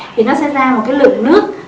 thì nó sẽ ra một cái lượng nước